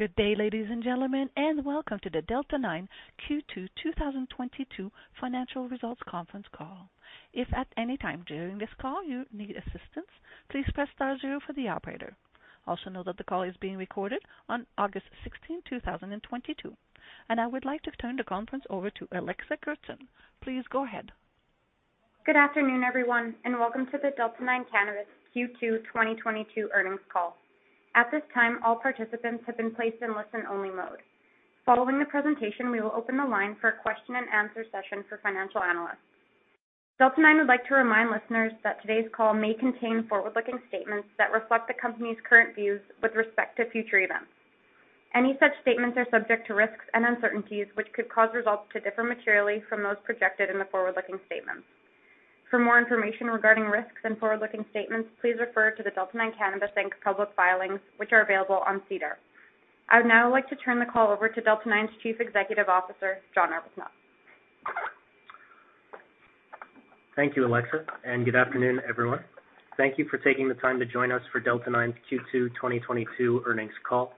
Good day, ladies and gentlemen, and Welcome to the Delta 9 Q2 2022 Financial Results Conference Call. If at any time during this call you need assistance, please press star zero for the operator. Also know that the call is being recorded on August sixteenth, two thousand and twenty-two. I would like to turn the conference over to Alexa Goertzen. Please go ahead. Good afternoon, everyone, and Welcome to the Delta 9 Cannabis Q2 2022 Earnings Call. At this time, all participants have been placed in listen-only mode. Following the presentation, we will open the line for a question and answer session for financial analysts. Delta 9 would like to remind listeners that today's call may contain forward-looking statements that reflect the company's current views with respect to future events. Any such statements are subject to risks and uncertainties, which could cause results to differ materially from those projected in the forward-looking statements. For more information regarding risks and forward-looking statements, please refer to the Delta 9 Cannabis Inc. public filings, which are available on SEDAR. I would now like to turn the call over to Delta 9's Chief Executive Officer, John Arbuthnot. Thank you, Alexa, and good afternoon, everyone. Thank you for taking the time to join us for Delta 9's Q2 2022 earnings call.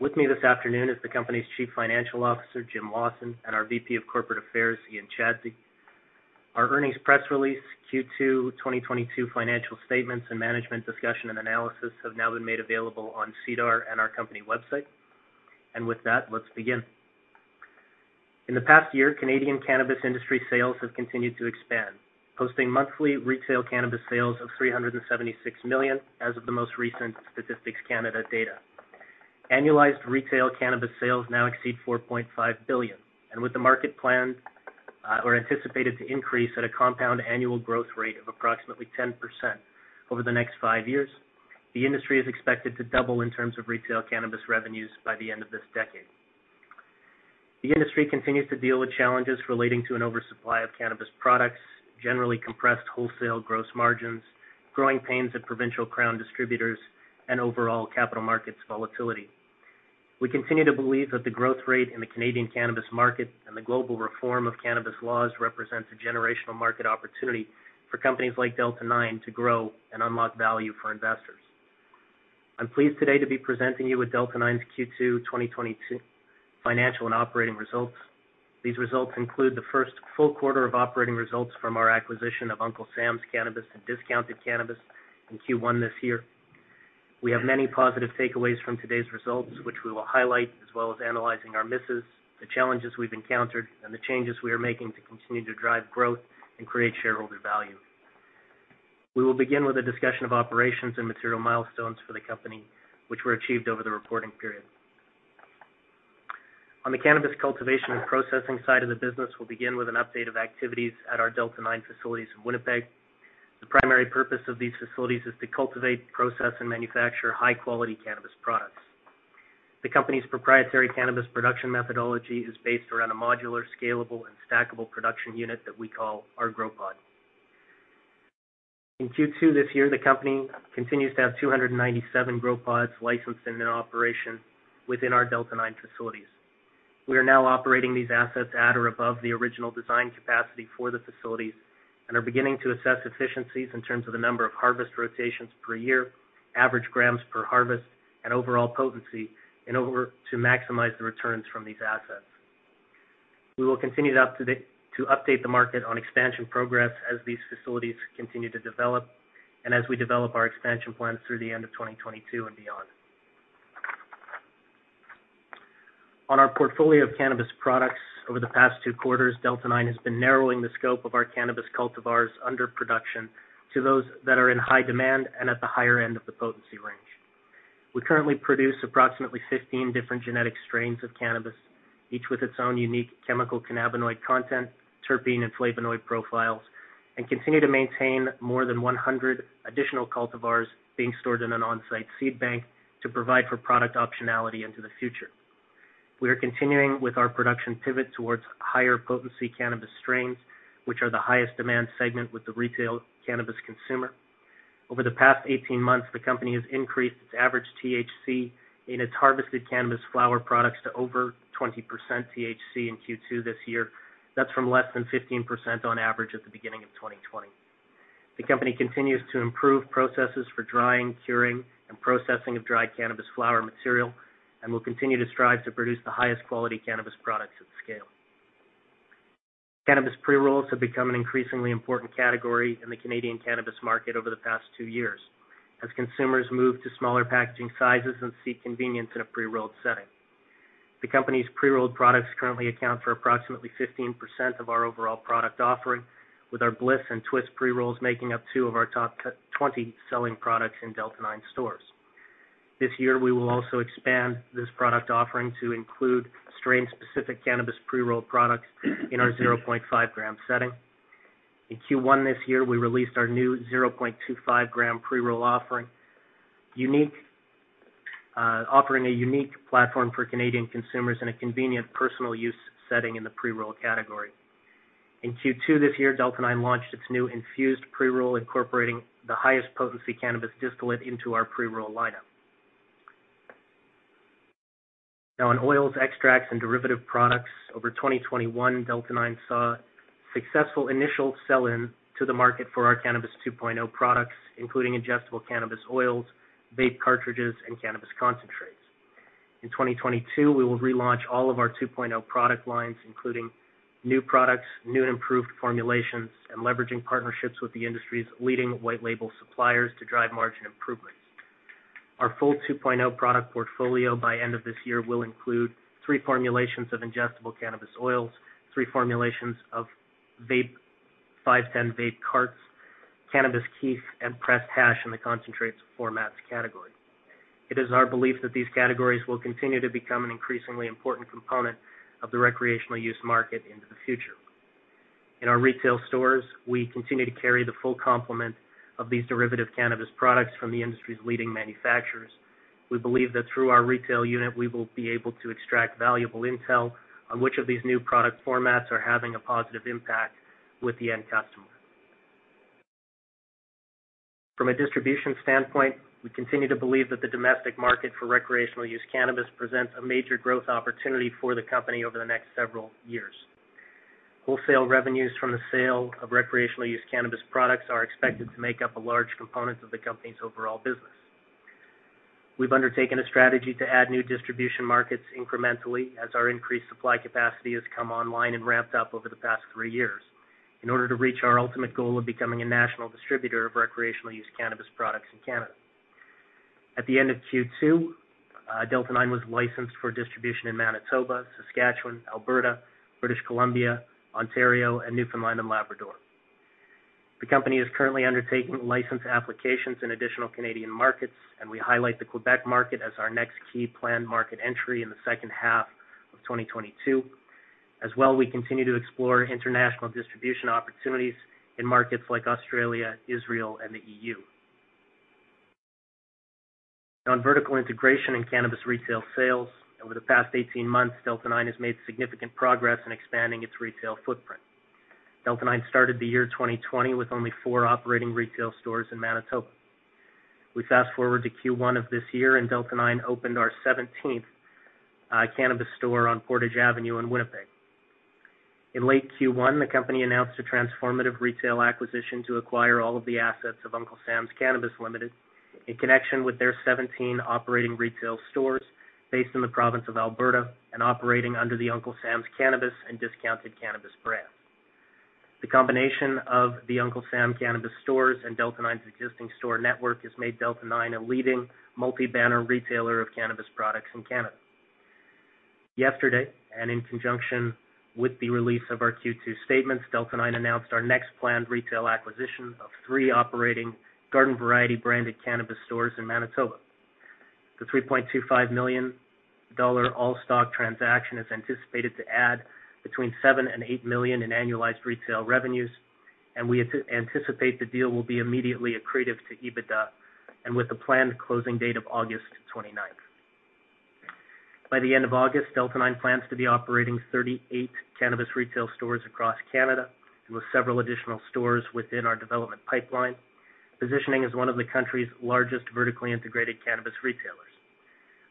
With me this afternoon is the company's Chief Financial Officer, Jim Lawson, and our VP of Corporate Affairs, Ian Chadsey. Our earnings press release Q2 2022 financial statements and management discussion and analysis have now been made available on SEDAR and our company website. With that, let's begin. In the past year, Canadian cannabis industry sales have continued to expand, posting monthly retail cannabis sales of 376 million as of the most recent Statistics Canada data. Annualized retail cannabis sales now exceed 4.5 billion. With the market planned, or anticipated to increase at a compound annual growth rate of approximately 10% over the next five years, the industry is expected to double in terms of retail cannabis revenues by the end of this decade. The industry continues to deal with challenges relating to an oversupply of cannabis products, generally compressed wholesale gross margins, growing pains at provincial crown distributors, and overall capital markets volatility. We continue to believe that the growth rate in the Canadian cannabis market and the global reform of cannabis laws represents a generational market opportunity for companies like Delta 9 to grow and unlock value for investors. I'm pleased today to be presenting you with Delta 9's Q2 2022 financial and operating results. These results include the first full quarter of operating results from our acquisition of Uncle Sam's Cannabis and Discounted Cannabis in Q1 this year. We have many positive takeaways from today's results, which we will highlight, as well as analyzing our misses, the challenges we've encountered, and the changes we are making to continue to drive growth and create shareholder value. We will begin with a discussion of operations and material milestones for the company, which were achieved over the reporting period. On the cannabis cultivation and processing side of the business, we'll begin with an update of activities at our Delta 9 facilities in Winnipeg. The primary purpose of these facilities is to cultivate, process, and manufacture high-quality cannabis products. The company's proprietary cannabis production methodology is based around a modular, scalable, and stackable production unit that we call our Grow Pod. In Q2 this year, the company continues to have 297 Grow Pods licensed in their operation within our Delta 9 facilities. We are now operating these assets at or above the original design capacity for the facilities and are beginning to assess efficiencies in terms of the number of harvest rotations per year, average grams per harvest, and overall potency in order to maximize the returns from these assets. We will continue to update the market on expansion progress as these facilities continue to develop and as we develop our expansion plans through the end of 2022 and beyond. On our portfolio of cannabis products over the past two quarters, Delta 9 has been narrowing the scope of our cannabis cultivars under production to those that are in high demand and at the higher end of the potency range. We currently produce approximately 15 different genetic strains of cannabis, each with its own unique chemical cannabinoid content, terpene, and flavonoid profiles, and continue to maintain more than 100 additional cultivars being stored in an on-site seed bank to provide for product optionality into the future. We are continuing with our production pivot towards higher potency cannabis strains, which are the highest demand segment with the retail cannabis consumer. Over the past 18 months, the company has increased its average THC in its harvested cannabis flower products to over 20% THC in Q2 this year. That's from less than 15% on average at the beginning of 2020. The company continues to improve processes for drying, curing, and processing of dry cannabis flower material and will continue to strive to produce the highest quality cannabis products at scale. Cannabis pre-rolls have become an increasingly important category in the Canadian cannabis market over the past two years as consumers move to smaller packaging sizes and seek convenience in a pre-rolled setting. The company's pre-rolled products currently account for approximately 15% of our overall product offering, with our Bliss and Twist pre-rolls making up two of our top 20 selling products in Delta 9 stores. This year, we will also expand this product offering to include strain-specific cannabis pre-rolled products in our 0.5 gram setting. In Q1 this year, we released our new 0.25 gram pre-roll offering, unique, offering a unique platform for Canadian consumers in a convenient personal use setting in the pre-roll category. In Q2 this year, Delta 9 launched its new infused pre-roll, incorporating the highest potency cannabis distillate into our pre-roll lineup. Now on oils, extracts, and derivative products over 2021, Delta 9 saw successful initial sell-in to the market for our Cannabis 2.0 products, including ingestible cannabis oils, vape cartridges, and cannabis concentrates. In 2022, we will relaunch all of our 2.0 product lines, including new products, new and improved formulations, and leveraging partnerships with the industry's leading white label suppliers to drive margin improvements. Our full 2.0 product portfolio by end of this year will include three formulations of ingestible cannabis oils, three formulations of vape, 510 vape carts, cannabis kief, and pressed hash in the concentrates formats category. It is our belief that these categories will continue to become an increasingly important component of the recreational use market into the future. In our retail stores, we continue to carry the full complement of these derivative cannabis products from the industry's leading manufacturers. We believe that through our retail unit, we will be able to extract valuable intel on which of these new product formats are having a positive impact with the end customer. From a distribution standpoint, we continue to believe that the domestic market for recreational use cannabis presents a major growth opportunity for the company over the next several years. Wholesale revenues from the sale of recreational use cannabis products are expected to make up a large component of the company's overall business. We've undertaken a strategy to add new distribution markets incrementally as our increased supply capacity has come online and ramped up over the past three years in order to reach our ultimate goal of becoming a national distributor of recreational use cannabis products in Canada. At the end of Q2, Delta 9 was licensed for distribution in Manitoba, Saskatchewan, Alberta, British Columbia, Ontario, and Newfoundland and Labrador. The company is currently undertaking license applications in additional Canadian markets, and we highlight the Quebec market as our next key planned market entry in the second half of 2022. As well, we continue to explore international distribution opportunities in markets like Australia, Israel, and the EU. Now on vertical integration in cannabis retail sales. Over the past 18 months, Delta 9 has made significant progress in expanding its retail footprint. Delta 9 started the year 2020 with only four operating retail stores in Manitoba. We fast-forward to Q1 of this year, and Delta 9 opened our seventeenth cannabis store on Portage Avenue in Winnipeg. In late Q1, the company announced a transformative retail acquisition to acquire all of the assets of Uncle Sam's Cannabis Limited in connection with their 17 operating retail stores based in the province of Alberta and operating under the Uncle Sam's Cannabis and Discounted Cannabis brand. The combination of the Uncle Sam's Cannabis stores and Delta 9's existing store network has made Delta 9 a leading multi-banner retailer of cannabis products in Canada. Yesterday, in conjunction with the release of our Q2 statement, Delta 9 announced our next planned retail acquisition of three operating Garden Variety branded cannabis stores in Manitoba. The 3.25 million dollar all-stock transaction is anticipated to add between 7 million and 8 million in annualized retail revenues, and we anticipate the deal will be immediately accretive to EBITDA with a planned closing date of August 29. By the end of August, Delta 9 plans to be operating 38 cannabis retail stores across Canada with several additional stores within our development pipeline, positioning as one of the country's largest vertically integrated cannabis retailers.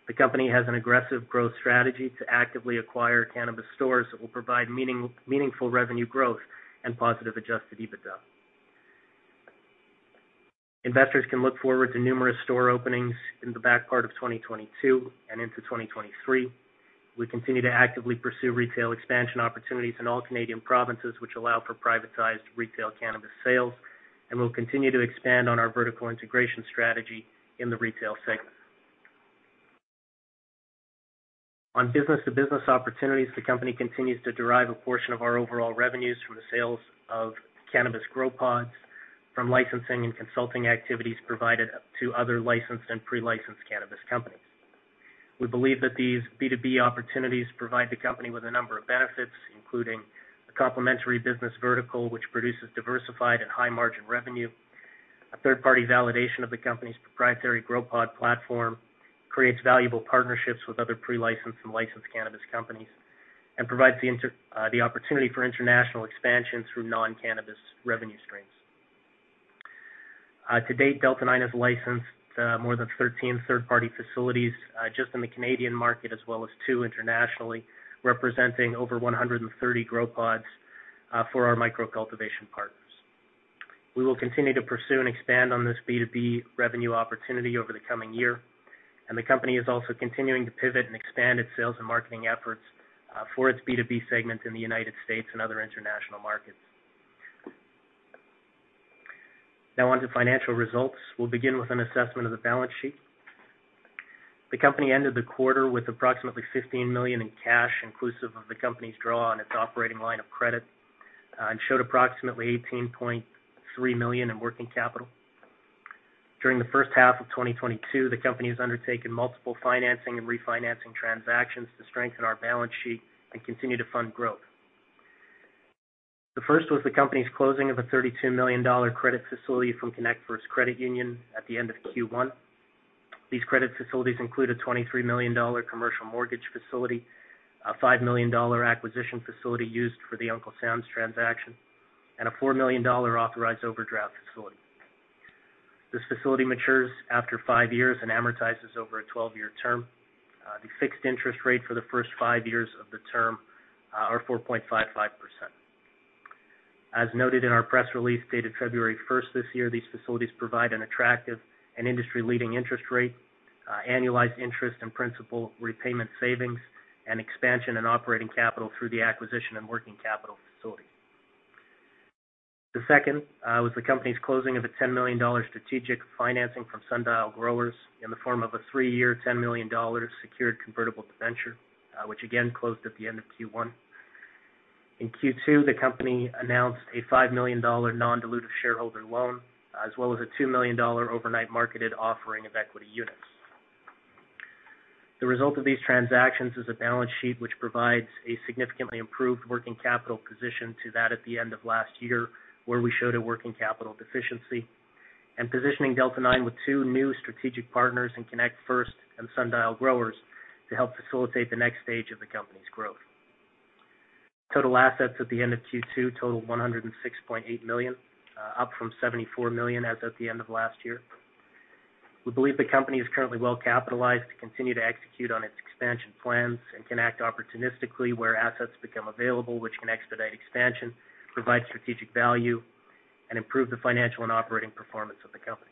The company has an aggressive growth strategy to actively acquire cannabis stores that will provide meaningful revenue growth and positive adjusted EBITDA. Investors can look forward to numerous store openings in the back part of 2022 and into 2023. We continue to actively pursue retail expansion opportunities in all Canadian provinces which allow for privatized retail cannabis sales, and we'll continue to expand on our vertical integration strategy in the retail segment. On business-to-business opportunities, the company continues to derive a portion of our overall revenues from the sales of cannabis Grow Pods from licensing and consulting activities provided to other licensed and pre-licensed cannabis companies. We believe that these B2B opportunities provide the company with a number of benefits, including a complementary business vertical which produces diversified and high-margin revenue. A third-party validation of the company's proprietary Grow Pod platform creates valuable partnerships with other pre-licensed and licensed cannabis companies and provides the opportunity for international expansion through non-cannabis revenue streams. To date, Delta 9 has licensed more than 13 third-party facilities just in the Canadian market, as well as 2 internationally, representing over 130 Grow Pods for our micro cultivation partners. We will continue to pursue and expand on this B2B revenue opportunity over the coming year, and the company is also continuing to pivot and expand its sales and marketing efforts for its B2B segment in the United States and other international markets. Now on to financial results. We'll begin with an assessment of the balance sheet. The company ended the quarter with approximately 15 million in cash, inclusive of the company's draw on its operating line of credit, and showed approximately 18.3 million in working capital. During the first half of 2022, the company has undertaken multiple financing and refinancing transactions to strengthen our balance sheet and continue to fund growth. The first was the company's closing of a 32 million dollar credit facility from ConnectFirst Credit Union at the end of Q1. These credit facilities include a 23 million dollar commercial mortgage facility, a 5 million dollar acquisition facility used for the Uncle Sam's transaction, and a 4 million dollar authorized overdraft facility. This facility matures after five years and amortizes over a 12-year term. The fixed interest rate for the first five years of the term are 4.55%. As noted in our press release dated February first this year, these facilities provide an attractive and industry-leading interest rate, annualized interest and principal repayment savings, and expansion in operating capital through the acquisition and working capital facility. The second was the company's closing of a 10 million dollars strategic financing from Sundial Growers in the form of a three-year, 10 million dollars secured convertible debenture, which again closed at the end of Q1. In Q2, the company announced a 5 million dollar non-dilutive shareholder loan, as well as a 2 million dollar overnight marketed offering of equity units. The result of these transactions is a balance sheet which provides a significantly improved working capital position to that at the end of last year, where we showed a working capital deficiency and positioning Delta 9 with two new strategic partners in ConnectFirst and Sundial Growers to help facilitate the next stage of the company's growth. Total assets at the end of Q2 totaled 106.8 million, up from 74 million as at the end of last year. We believe the company is currently well-capitalized to continue to execute on its expansion plans and can act opportunistically where assets become available, which can expedite expansion, provide strategic value, and improve the financial and operating performance of the company.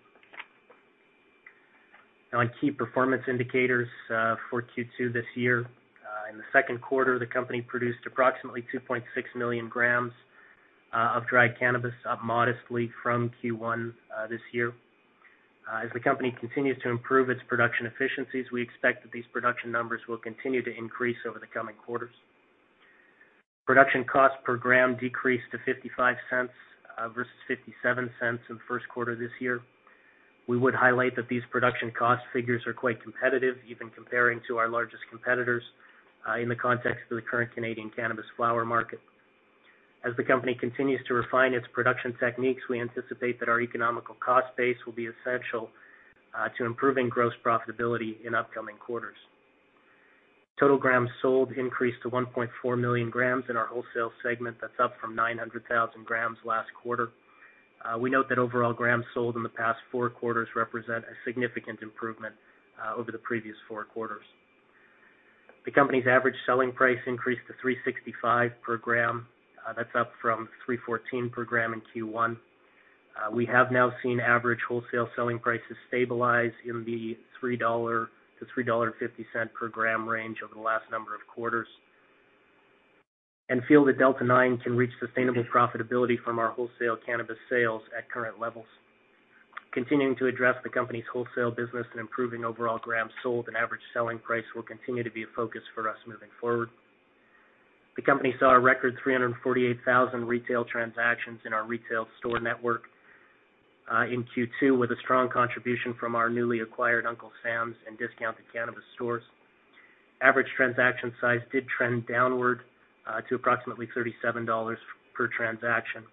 Now on key performance indicators for Q2 this year. In the second quarter, the company produced approximately 2.6 million grams of dried cannabis, up modestly from Q1 this year. As the company continues to improve its production efficiencies, we expect that these production numbers will continue to increase over the coming quarters. Production cost per gram decreased to 0.55, versus 0.57 in the first quarter this year. We would highlight that these production cost figures are quite competitive, even comparing to our largest competitors, in the context of the current Canadian cannabis flower market. As the company continues to refine its production techniques, we anticipate that our economical cost base will be essential to improving gross profitability in upcoming quarters. Total grams sold increased to 1.4 million grams in our wholesale segment. That's up from 900,000 grams last quarter. We note that overall grams sold in the past four quarters represent a significant improvement over the previous four quarters. The company's average selling price increased to 365 per gram. That's up from 314 per gram in Q1. We have now seen average wholesale selling prices stabilize in the 3-3.50 dollar per gram range over the last number of quarters and feel that Delta 9 can reach sustainable profitability from our wholesale cannabis sales at current levels. Continuing to address the company's wholesale business and improving overall grams sold and average selling price will continue to be a focus for us moving forward. The company saw a record 348,000 retail transactions in our retail store network in Q2, with a strong contribution from our newly acquired Uncle Sam's and Discounted Cannabis stores. Average transaction size did trend downward to approximately 37 dollars per transaction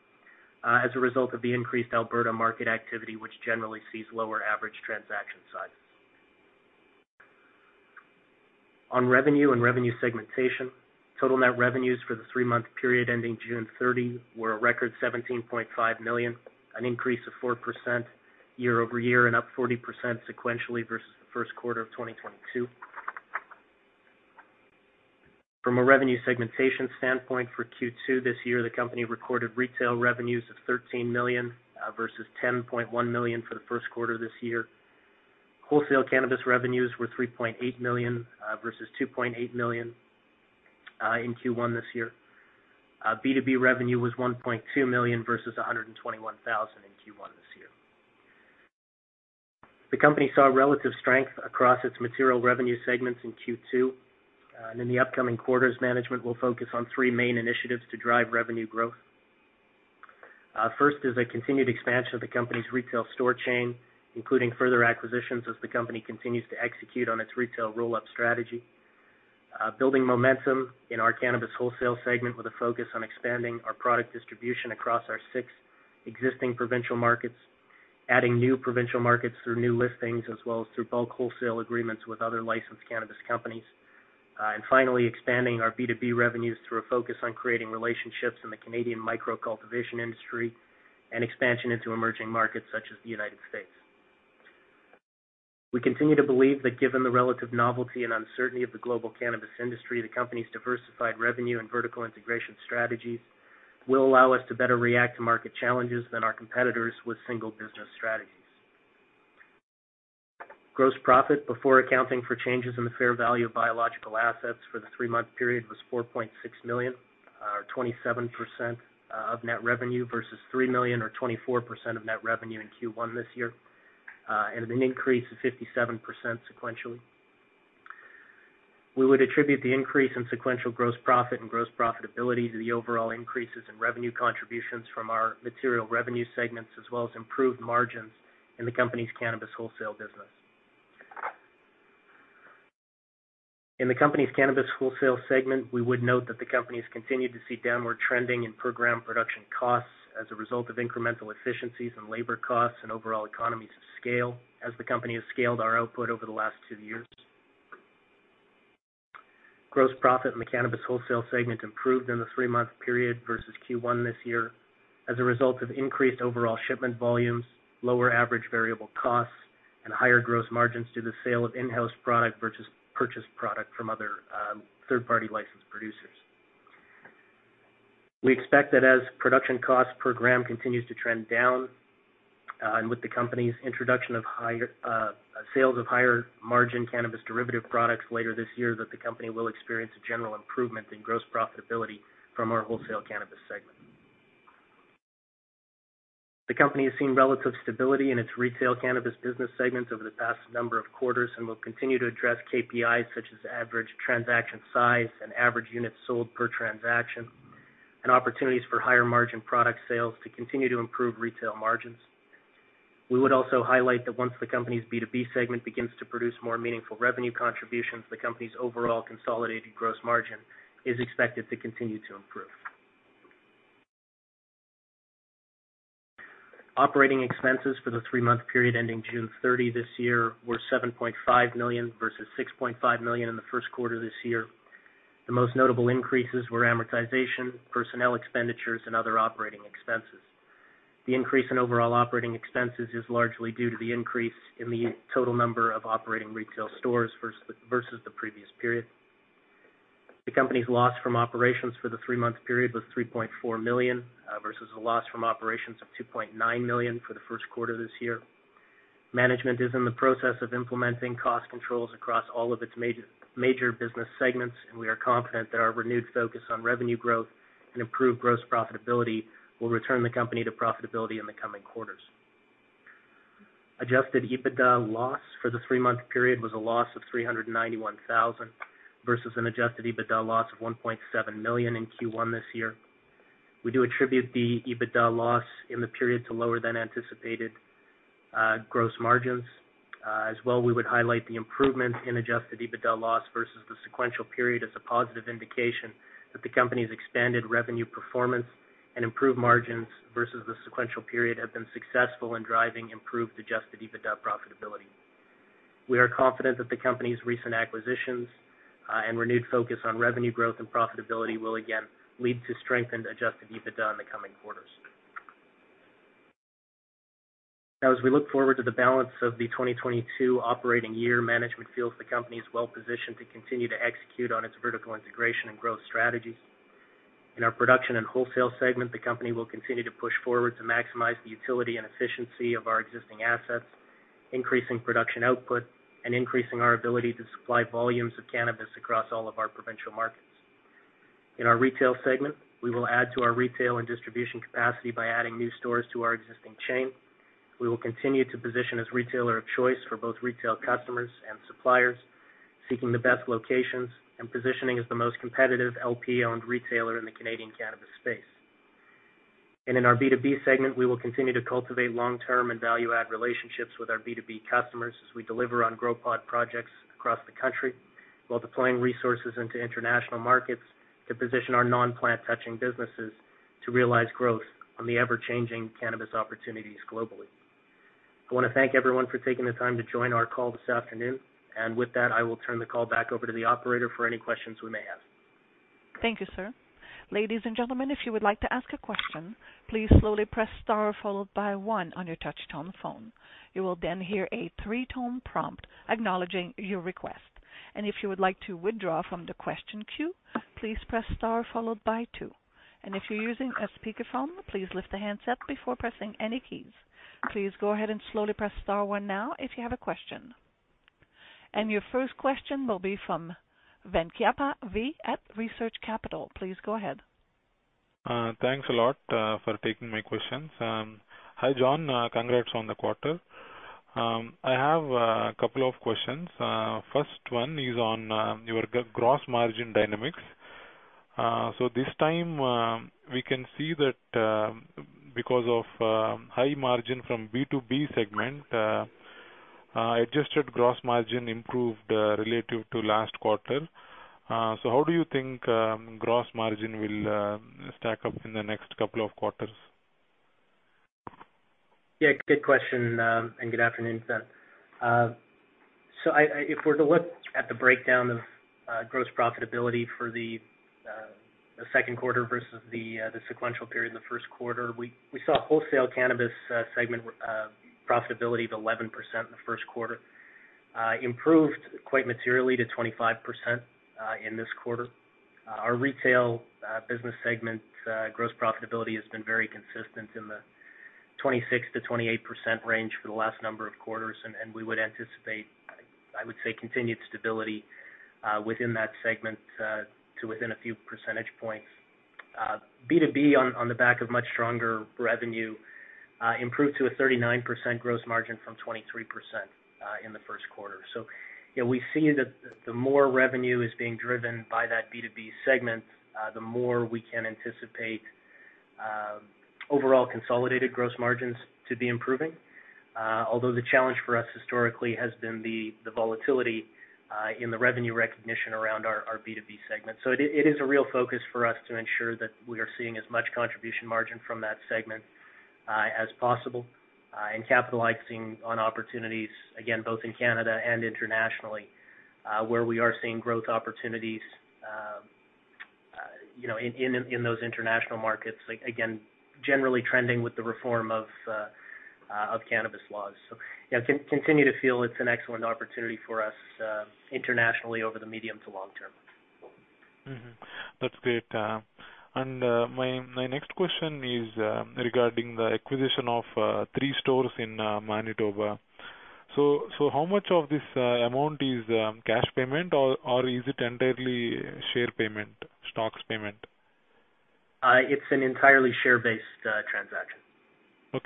as a result of the increased Alberta market activity, which generally sees lower average transaction size. On revenue and revenue segmentation, total net revenues for the three-month period ending June 30 were a record 17.5 million, an increase of 4% year over year and up 40% sequentially versus the first quarter of 2022. From a revenue segmentation standpoint for Q2 this year, the company recorded retail revenues of 13 million versus 10.1 million for the first quarter this year. Wholesale cannabis revenues were 3.8 million versus 2.8 million in Q1 this year. B2B revenue was 1.2 million versus 121,000 in Q1 this year. The company saw relative strength across its material revenue segments in Q2. In the upcoming quarters, management will focus on three main initiatives to drive revenue growth. First is a continued expansion of the company's retail store chain, including further acquisitions as the company continues to execute on its retail roll-up strategy. Building momentum in our cannabis wholesale segment with a focus on expanding our product distribution across our six existing provincial markets, adding new provincial markets through new listings as well as through bulk wholesale agreements with other licensed cannabis companies. Finally, expanding our B2B revenues through a focus on creating relationships in the Canadian micro-cultivation industry and expansion into emerging markets such as the United States. We continue to believe that given the relative novelty and uncertainty of the global cannabis industry, the company's diversified revenue and vertical integration strategies will allow us to better react to market challenges than our competitors with single business strategies. Gross profit before accounting for changes in the fair value of biological assets for the three-month period was 4.6 million or 27% of net revenue versus 3 million or 24% of net revenue in Q1 this year and an increase of 57% sequentially. We would attribute the increase in sequential gross profit and gross profitability to the overall increases in revenue contributions from our material revenue segments as well as improved margins in the company's cannabis wholesale business. In the company's cannabis wholesale segment, we would note that the company has continued to see downward trending in program production costs as a result of incremental efficiencies in labor costs and overall economies of scale as the company has scaled our output over the last two years. Gross profit in the cannabis wholesale segment improved in the three-month period versus Q1 this year as a result of increased overall shipment volumes, lower average variable costs, and higher gross margins due to the sale of in-house product versus purchased product from other, third-party licensed producers. We expect that as production cost per gram continues to trend down, and with the company's introduction of higher, sales of higher margin cannabis derivative products later this year, that the company will experience a general improvement in gross profitability from our wholesale cannabis segment. The company has seen relative stability in its retail cannabis business segments over the past number of quarters and will continue to address KPIs such as average transaction size and average units sold per transaction, and opportunities for higher margin product sales to continue to improve retail margins. We would also highlight that once the company's B2B segment begins to produce more meaningful revenue contributions, the company's overall consolidated gross margin is expected to continue to improve. Operating expenses for the three-month period ending June 30 this year were 7.5 million versus 6.5 million in the first quarter this year. The most notable increases were amortization, personnel expenditures, and other operating expenses. The increase in overall operating expenses is largely due to the increase in the total number of operating retail stores versus the previous period. The company's loss from operations for the three-month period was 3.4 million versus a loss from operations of 2.9 million for the first quarter this year. Management is in the process of implementing cost controls across all of its major business segments, and we are confident that our renewed focus on revenue growth and improved gross profitability will return the company to profitability in the coming quarters. Adjusted EBITDA loss for the three-month period was a loss of 391000 versus an Adjusted EBITDA loss of 1.7 million in Q1 this year. We do attribute the EBITDA loss in the period to lower than anticipated gross margins. As well, we would highlight the improvements in Adjusted EBITDA loss versus the sequential period as a positive indication that the company's expanded revenue performance and improved margins versus the sequential period have been successful in driving improved Adjusted EBITDA profitability. We are confident that the company's recent acquisitions and renewed focus on revenue growth and profitability will again lead to strengthened adjusted EBITDA in the coming quarters. Now as we look forward to the balance of the 2022 operating year, management feels the company is well positioned to continue to execute on its vertical integration and growth strategies. In our production and wholesale segment, the company will continue to push forward to maximize the utility and efficiency of our existing assets, increasing production output and increasing our ability to supply volumes of cannabis across all of our provincial markets. In our retail segment, we will add to our retail and distribution capacity by adding new stores to our existing chain. We will continue to position as retailer of choice for both retail customers and suppliers, seeking the best locations and positioning as the most competitive LP-owned retailer in the Canadian cannabis space. In our B2B segment, we will continue to cultivate long-term and value-add relationships with our B2B customers as we deliver on Grow Pod projects across the country while deploying resources into international markets to position our non-plant touching businesses to realize growth on the ever-changing cannabis opportunities globally. I want to thank everyone for taking the time to join our call this afternoon. With that, I will turn the call back over to the operator for any questions we may have. Thank you, sir. Ladies and gentlemen, if you would like to ask a question, please slowly press star followed by one on your touch-tone phone. You will then hear a three-tone prompt acknowledging your request. If you would like to withdraw from the question queue, please press star followed by two. If you're using a speakerphone, please lift the handset before pressing any keys. Please go ahead and slowly press star one now if you have a question. Your first question will be from Venkata Velagapudi at Research Capital Corporation. Please go ahead. Thanks a lot for taking my questions. Hi, John, congrats on the quarter. I have a couple of questions. First one is on your gross margin dynamics. This time, we can see that, because of high margin from B2B segment, adjusted gross margin improved relative to last quarter. How do you think gross margin will stack up in the next couple of quarters? Yeah, good question, and good afternoon. If we're to look at the breakdown of gross profitability for the second quarter versus the sequential period in the first quarter, we saw wholesale cannabis segment profitability of 11% in the first quarter, improved quite materially to 25% in this quarter. Our retail business segment gross profitability has been very consistent in the 26%-28% range for the last number of quarters, and we would anticipate, I would say, continued stability within that segment to within a few percentage points. B2B on the back of much stronger revenue improved to a 39% gross margin from 23% in the first quarter. Yeah, we see that the more revenue is being driven by that B2B segment, the more we can anticipate overall consolidated gross margins to be improving. Although the challenge for us historically has been the volatility in the revenue recognition around our B2B segment. It is a real focus for us to ensure that we are seeing as much contribution margin from that segment as possible, and capitalizing on opportunities, again, both in Canada and internationally, where we are seeing growth opportunities, you know, in those international markets, again, generally trending with the reform of cannabis laws. Yeah, continue to feel it's an excellent opportunity for us internationally over the medium to long term. That's great. My next question is regarding the acquisition of three stores in Manitoba. How much of this amount is cash payment or is it entirely share payment, stocks payment? It's an entirely share-based transaction.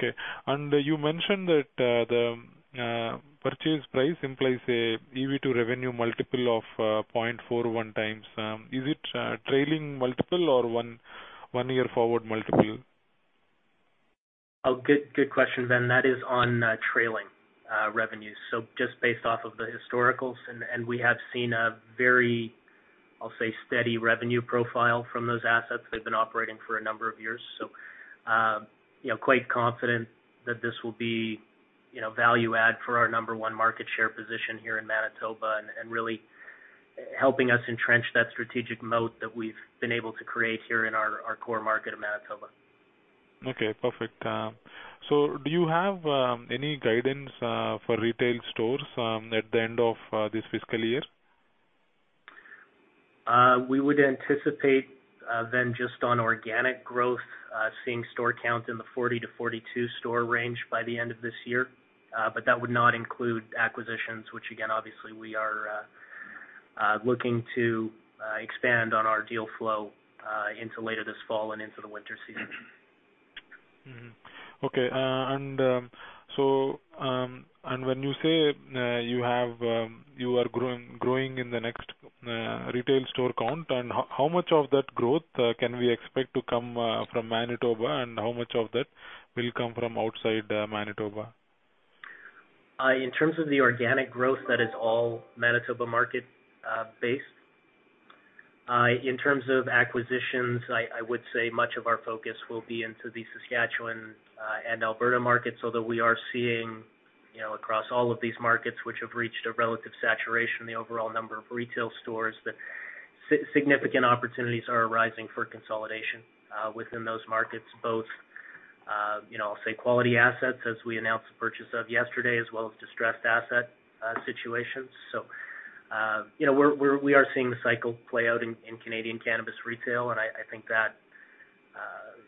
You mentioned that the purchase price implies a EV to revenue multiple of 0.41x. Is it trailing multiple or 1-year forward multiple? Oh, good question, then. That is on trailing revenue. Just based off of the historicals. We have seen a very, I'll say, steady revenue profile from those assets. They've been operating for a number of years, you know, quite confident that this will be, you know, value add for our number one market share position here in Manitoba and really helping us entrench that strategic moat that we've been able to create here in our core market of Manitoba. Okay, perfect. Do you have any guidance for retail stores at the end of this fiscal year? We would anticipate then just on organic growth seeing store count in the 40-42 store range by the end of this year. That would not include acquisitions, which again, obviously we are looking to expand on our deal flow into later this fall and into the winter season. Okay. When you say you are growing in the next retail store count, how much of that growth can we expect to come from Manitoba, and how much of that will come from outside Manitoba? In terms of the organic growth, that is all Manitoba market based. In terms of acquisitions, I would say much of our focus will be into the Saskatchewan and Alberta markets, although we are seeing, you know, across all of these markets which have reached a relative saturation in the overall number of retail stores, that significant opportunities are arising for consolidation within those markets. Both, you know, I'll say quality assets as we announced the purchase of yesterday as well as distressed asset situations. You know, we are seeing the cycle play out in Canadian cannabis retail, and I think that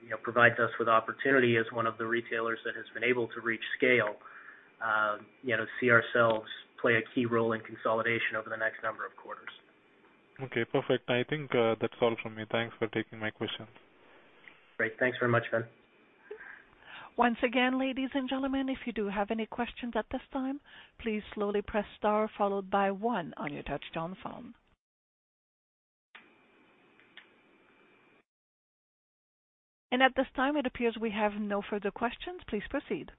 you know provides us with opportunity as one of the retailers that has been able to reach scale, you know, see ourselves play a key role in consolidation over the next number of quarters. Okay, perfect. I think, that's all from me. Thanks for taking my questions. Great. Thanks very much, Ven. Once again, ladies and gentlemen, if you do have any questions at this time, please slowly press star followed by one on your touchtone phone. At this time, it appears we have no further questions. Please proceed.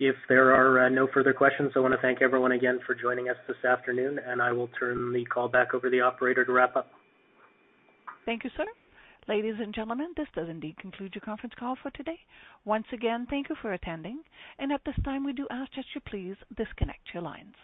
If there are no further questions, I wanna thank everyone again for joining us this afternoon, and I will turn the call back over to the operator to wrap up. Thank you, sir. Ladies and gentlemen, this does indeed conclude your conference call for today. Once again, thank you for attending, and at this time, we do ask that you please disconnect your lines.